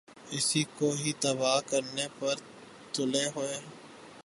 اسی کو ہی تباہ کرنے پر تلے ہوۓ ۔